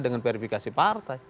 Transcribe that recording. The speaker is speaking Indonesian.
dengan verifikasi partai